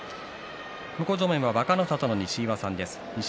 向正面は若の里の西岩さんです。